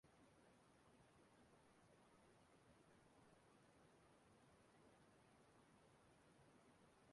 Ihe nkiri a nwetara otuto sitere na mmemme ihe nkiri mba ụwa nke Africa.